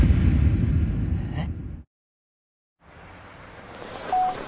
えっ？